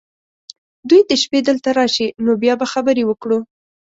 دوی دې شپې دلته راشي ، نو بیا به خبرې وکړو .